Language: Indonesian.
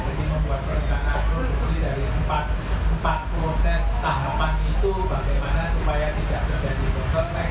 jadi membuat perencanaan produksi dari empat proses tahapan itu bagaimana supaya tidak terjadi protek